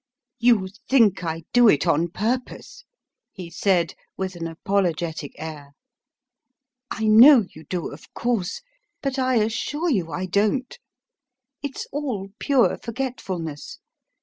"You think I do it on purpose," he said with an apologetic air; "I know you do, of course; but I assure you I don't. It's all pure forgetfulness.